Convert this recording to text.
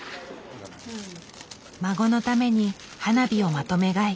孫のために花火をまとめ買い。